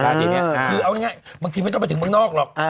คือเอาง่ายบางทีไม่ต้องไปถึงเมืองนอกหรอก